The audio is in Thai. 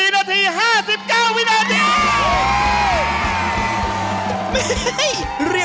๔นาที๕๙วินาที